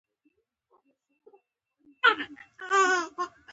شهزاده احسان بخت افغانستان ته ورسېدی.